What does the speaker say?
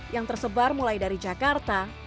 yang tersebar mulai dari jakarta